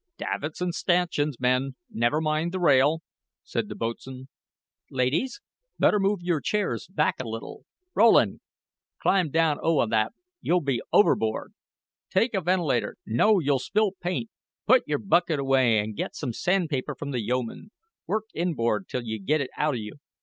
"Davits an' stanchions, men never mind the rail," said the boatswain. "Ladies, better move your chairs back a little. Rowland, climb down out o' that you'll be overboard. Take a ventilator no, you'll spill paint put your bucket away an' get some sandpaper from the yeoman. Work inboard till you get it out o' you."